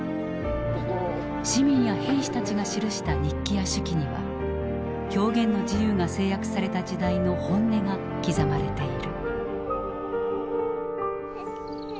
市民や兵士たちが記した日記や手記には表現の自由が制約された時代の本音が刻まれている。